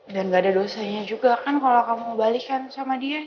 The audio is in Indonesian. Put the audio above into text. dan gak ada dosanya juga kan kalau kamu balikan sama dia